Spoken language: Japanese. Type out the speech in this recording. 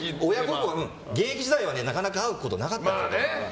現役時代はなかなか会うことがなかったから。